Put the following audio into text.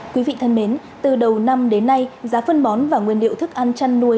quý vị thân mến từ đầu năm đến nay giá phân bón và nguyên liệu thức ăn chăn nuôi